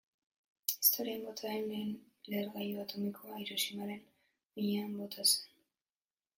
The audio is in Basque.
Historian bota den lehen lehergailu atomikoa Hiroshimaren gainean bota zen.